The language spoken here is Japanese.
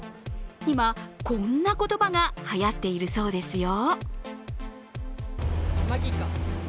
今、こんな言葉がはやっているそうですよ。